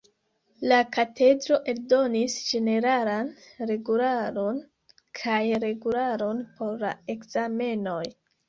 La Katedro eldonis ĝeneralan regularon kaj regularon por la ekzamenoj.